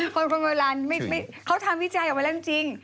คนโบราณเขาทำวิจัยออกมาแล้วจริง